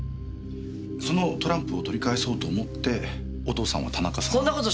そのトランプを取り返そうと思ってお父さんは田中さんを？